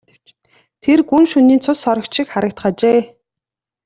Тэр гүн шөнийн цус сорогч шиг харагдах ажээ.